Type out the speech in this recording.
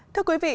thưa quý vị